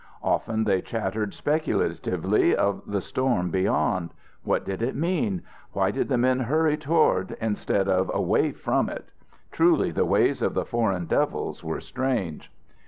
Often they chattered speculatively of the storm beyond. What did it mean? Why did the men hurry toward instead of away from it? Truly the ways of the Foreign Devils were strange!